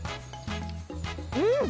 うん。